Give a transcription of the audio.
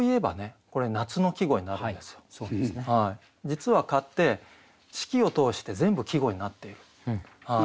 実は「蚊」って四季を通して全部季語になっている。